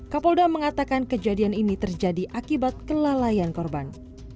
kapolda mengatakan kejadian ini terjadi akibat kelalaian korban